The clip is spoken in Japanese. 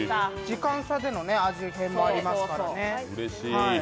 時間差での味変もありますからね。